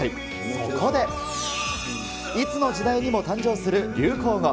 そこで、いつの時代にも誕生する流行語。